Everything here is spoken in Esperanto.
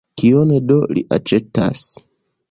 Kion do li aĉetas?